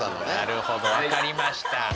なるほど分かりました。